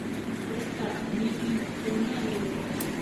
— Туҡта, ни, һин көлмә әле, Юлдаш.